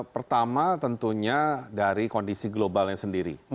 pertama tentunya dari kondisi globalnya sendiri